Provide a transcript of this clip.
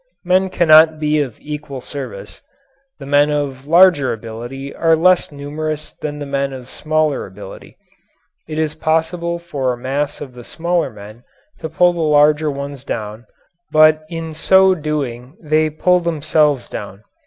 Men cannot be of equal service. The men of larger ability are less numerous than the men of smaller ability; it is possible for a mass of the smaller men to pull the larger ones down but in so doing they pull themselves down.